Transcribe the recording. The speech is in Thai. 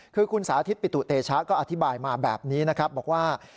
คือคุณสาธิตปิตุเตชะก็อธิบายมาแบบนี้นะครับบอกว่า